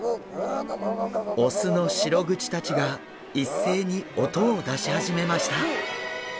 オスのシログチたちが一斉に音を出し始めました。